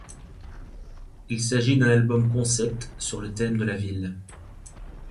Il s'agit d'un album-concept sur le thème de la ville.